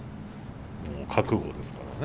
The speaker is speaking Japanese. もう覚悟ですからね。